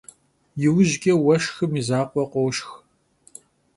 Yiujç'e vueşşxım yi zakhue khoşşx.